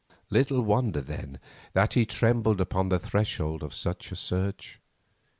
Little wonder, then, that he trembled upon the threshold of such a search.